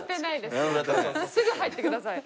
すぐ入ってください。